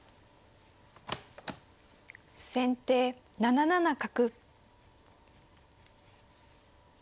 先手７七角。